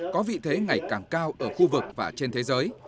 có vị thế ngày càng cao ở khu vực và trên thế giới